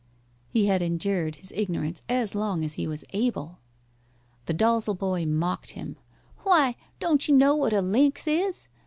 He had endured his ignorance as long as he was able. The Dalzel boy mocked him. "Why, don't you know what a lynx is?